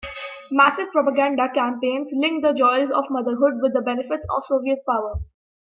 Massive propaganda campaigns linked the joys of motherhood with the benefits of Soviet power.